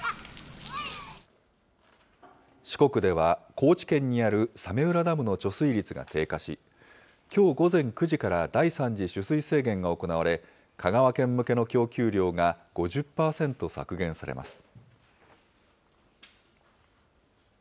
四国では、高知県にある早明浦ダムの貯水率が低下し、きょう午前９時から第三次取水制限が行われ、香川県向けの供給量が５０％削減されます。